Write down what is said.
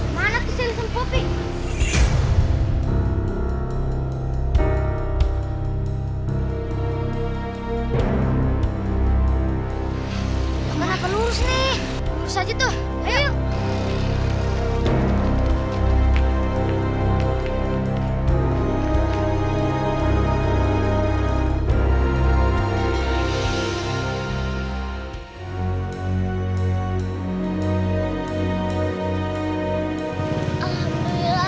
malam ini kita pergi ke sini dulu ya